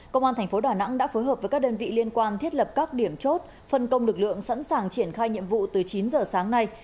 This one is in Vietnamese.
công an tp hcm đã phối hợp với các đơn vị liên quan thiết lập các điểm chốt phân công lực lượng sẵn sàng triển khai nhiệm vụ từ chín giờ sáng nay